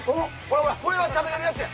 これは食べれるやつや！